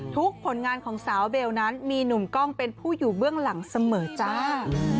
ผลงานของสาวเบลนั้นมีหนุ่มกล้องเป็นผู้อยู่เบื้องหลังเสมอจ้า